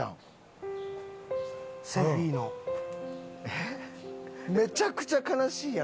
えっめちゃくちゃ悲しいやろこれ。